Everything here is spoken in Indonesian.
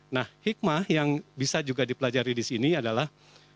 nah hikmah yang bisa juga dipelajari di sini adalah